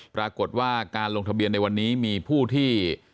ปรากฏว่าการลงทะเบียนในวันนี้มีผู้ที่